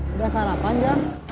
udah sarapan jam